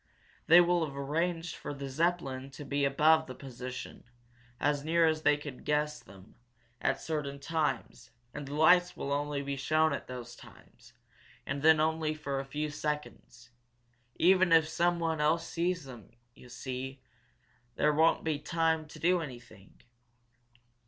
They will have arranged for the Zeppelin to be above the position, as near as they can guess them, at certain times and the lights will only be shown at those times, and then only for a few seconds. Even if someone else sees them, you see, there won't be time to do anything."